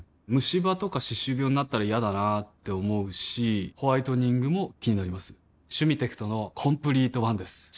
ムシ歯とか歯周病になったら嫌だなって思うしホワイトニングも気になります「シュミテクトのコンプリートワン」です